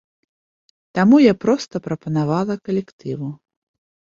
Таму я проста прапанавала калектыву.